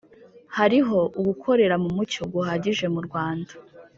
Hariho ugukorera mu mucyo guhagije mu Rwanda